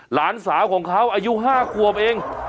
หลานสาวของเขาอายุ๕ขวบเอง